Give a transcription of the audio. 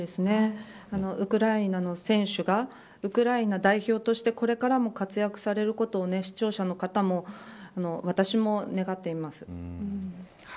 ウクライナの選手がウクライナ代表としてこれからも活躍されることを視聴者の方も私も願っています。